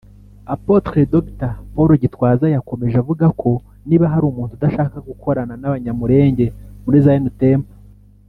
Apotre Dr Paul Gitwaza yakomeje avuga ko niba hari umuntu udashaka gukorana n'abanyamulenge muri Zion Temple